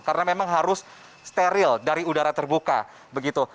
karena memang harus steril dari udara terbuka begitu